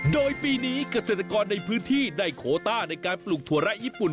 โดยปีนี้เกษตรกรในพื้นที่ได้โคต้าในการปลูกถั่วแร้ญี่ปุ่น